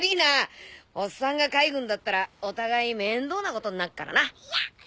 おっさんが海軍だったらお互い面倒なことになっからな。